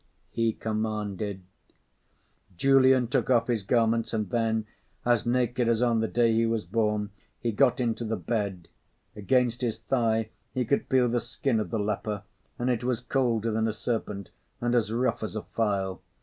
he commanded. Julian took off his garments; and then, as naked as on the day he was born, he got into the bed; against his thigh he could feel the skin of the leper, and it was colder than a serpent and as rough as a file.